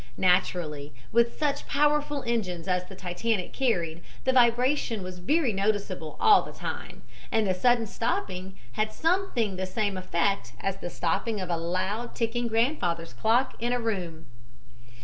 Naturally, with such powerful engines as the Titanic carried, the vibration was very noticeable all the time, and the sudden stopping had something the same effect as the stopping of a loud ticking grandfather's clock in a room.